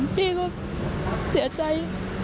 พี่ก็เสียใจ